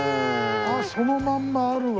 そのまんまあるわ。